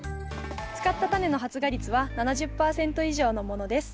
使ったタネの発芽率は７０％以上のものです。